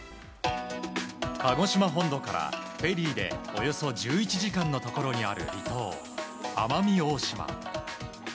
鹿児島本土からフェリーでおよそ１１時間のところにある離島、奄美大島。